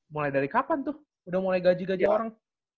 mulai dari kapan tuh udah mulai gaji gaji orang